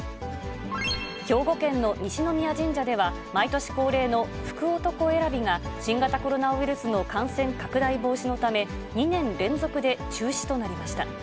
兵庫県の西宮神社では、毎年恒例の福男選びが、新型コロナウイルスの感染拡大防止のため、２年連続で中止となりました。